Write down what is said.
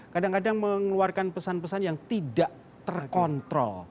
kadang kadang mengeluarkan pesan pesan yang tidak terkontrol